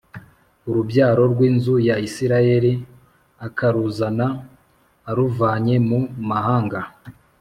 urubyaro rw’inzu ya Isirayeli akaruzana aruvanye mu mahanga